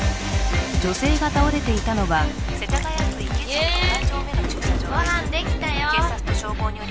女性が倒れていたのは世田谷区優ご飯できたよ